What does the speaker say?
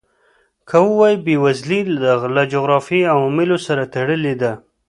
که ووایو بېوزلي له جغرافیوي عواملو سره تړلې ده.